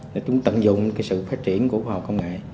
để chúng tận dụng cái sự phát triển của khoa học công nghệ